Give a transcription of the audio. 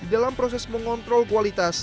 dalam proses mengontrol kualitas